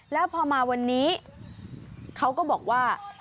แล้วพอมาวันนี้เขาก็บอกว่า